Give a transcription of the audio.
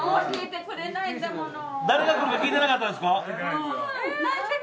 誰が来るか聞いてなかったんですか。